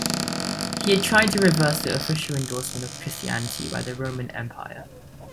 He had tried to reverse the official endorsement of Christianity by the Roman Empire.